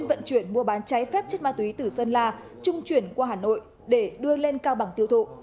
vận chuyển mua bán cháy phép chất ma túy từ sơn la trung chuyển qua hà nội để đưa lên cao bằng tiêu thụ